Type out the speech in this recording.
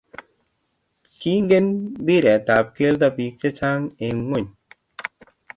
Kingen mpiret ab kelto biik che chang eng ng'ony.